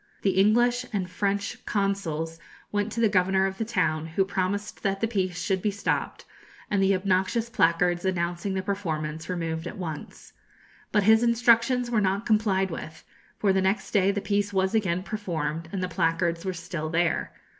The English and French consuls went to the governor of the town, who promised that the piece should be stopped, and the obnoxious placards announcing the performance removed at once. But his instructions were not complied with, for the next day the piece was again performed, and the placards were still there.